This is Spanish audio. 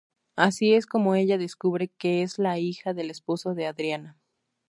Así es como ella descubre que es la hija del esposo de "Adriana".